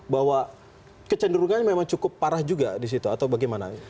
bahwa kecenderungannya memang cukup parah juga di situ atau bagaimana